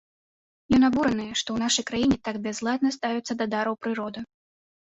Ён абураны, што ў нашай краіне так бязладна ставяцца да дару прыроды.